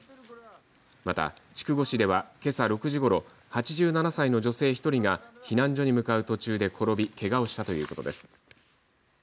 また、筑後市ではけさ６時ごろ８７歳の女性１人が避難所に向かう途中で転びけがをしたということです。